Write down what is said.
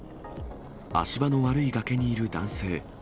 足場の悪い崖にいる男性。